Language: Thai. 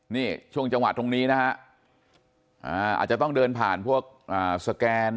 นี่ช่วงจังหวะตรงนี้นะฮะอาจจะต้องเดินผ่านพวกสแกน